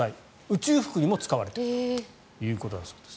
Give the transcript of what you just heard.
宇宙服にも使われているということだそうです。